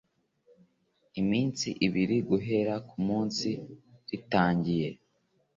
iminsi ibiri guhera ku munsi ritangiye